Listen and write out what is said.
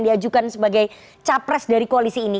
diajukan sebagai capres dari koalisi ini